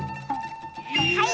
はい！